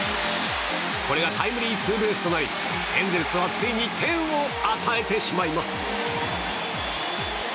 これがタイムリーツーベースとなりエンゼルスはついに点を与えてしまいます。